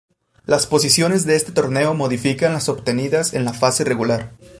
Las posiciones de este torneo modifican las obtenidas en la fase regular.